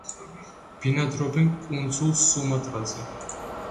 ბინადრობენ კუნძულ სუმატრაზე.